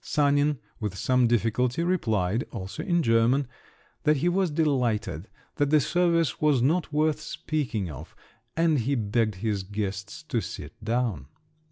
Sanin, with some difficulty, replied, also in German, that he was delighted … that the service was not worth speaking of … and he begged his guests to sit down.